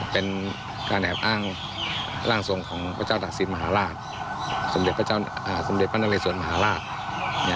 เป็นการแอบอ้างร่างทรงของพระเจ้าตักศิลปมหาราชสมเด็จพระสมเด็จพระนเรสวนมหาราช